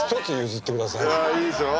いいでしょ？